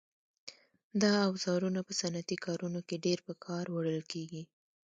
دا اوزارونه په صنعتي کارونو کې ډېر په کار وړل کېږي.